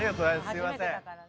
すいません。